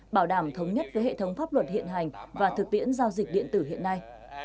bảo đảm thống nhất với hệ thống pháp luật hiện hành và thực tiễn giao dịch điện tử hiện nay